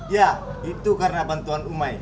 ya itu karena bantuan umai